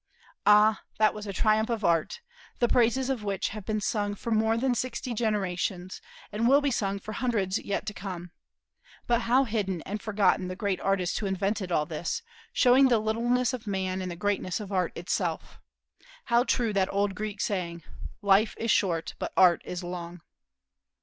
Ah, that was a triumph of Art, the praises of which have been sung for more than sixty generations, and will be sung for hundreds yet to come. But how hidden and forgotten the great artists who invented all this, showing the littleness of man and the greatness of Art itself. How true that old Greek saying, "Life is short, but Art is long."